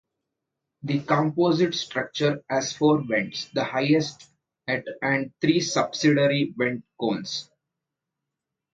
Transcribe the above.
The composite structure has four vents, the highest at and three subsidiary vent cones.